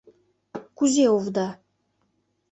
Кузе овда?